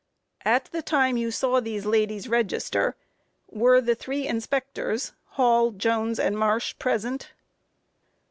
Q. At the time you saw these ladies register, were the three inspectors, Hall, Jones, and Marsh present?